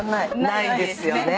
ないですよね。